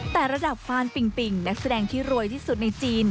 แต่ระดับฟานปิงปิงนักแสดงที่รวยที่สุดในจีน